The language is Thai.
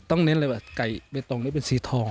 ต้องเน้นอะไรว่าไก่ไปตรงไหนเป็นสีทอง